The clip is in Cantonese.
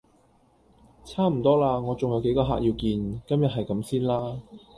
差唔多喇，我重有幾個客要見。今日係咁先啦